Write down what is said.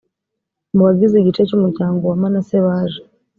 mu bagize igice cy umuryango wa manase baje